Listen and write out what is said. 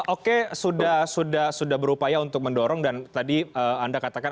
oke sudah berupaya untuk mendorong dan tadi anda katakan